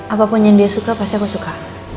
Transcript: apapun yang dia suka pasti aku suka